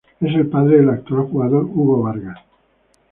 Es el padre del actual jugador Hugo Bargas.